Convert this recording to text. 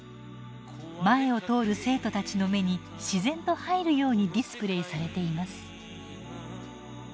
前を通る生徒たちの目に自然と入るようにディスプレーされています。